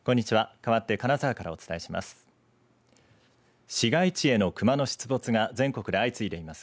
かわって金沢からお伝えします。